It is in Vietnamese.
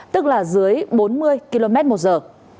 tức là dưới bốn mươi km một giờ